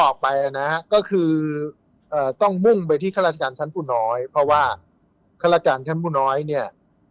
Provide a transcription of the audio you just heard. ออกไปนะฮะก็คือต้องมุ่งไปที่ข้าราชการชั้นผู้น้อยเพราะว่าข้าราชการชั้นผู้น้อยเนี่ย